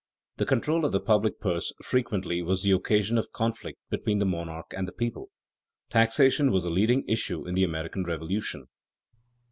The control of the public purse frequently was the occasion of conflict between the monarch and the people. Taxation was a leading issue in the American Revolution.